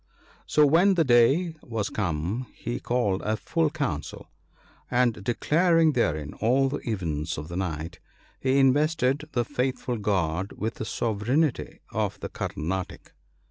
So when the day was come, he called a full council, and, declaring therein all the events of the night, he invested the faithful guard with the sovereignty of the Carnatic.